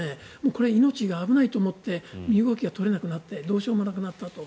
これ、命が危ないと思って身動きが取れなくなってどうしようもなくなったと。